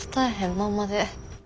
まんまで。